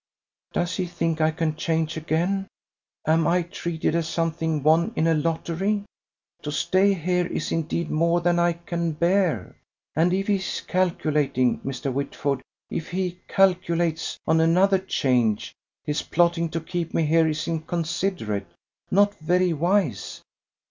"Does he think I can change again? Am I treated as something won in a lottery? To stay here is indeed more than I can bear. And if he is calculating Mr. Whitford, if he calculates on another change, his plotting to keep me here is inconsiderate, not very wise.